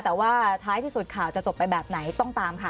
แต่ว่าท้ายที่สุดข่าวจะจบไปแบบไหนต้องตามค่ะ